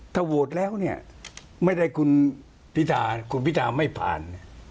ถ้าโหวตแล้วเนี่ยไม่ได้คุณพิธาคุณพิธาไม่ผ่าน